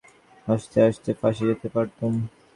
হাসতে হাসতে ফাঁসি যেতে পারতুম।